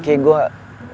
kayak gue balik ke rumah